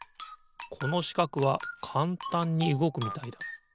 このしかくはかんたんにうごくみたいだ。